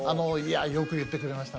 よく言ってくれましたね。